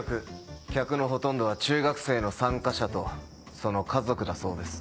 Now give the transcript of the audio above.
客のほとんどは中学生の参加者とその家族だそうです。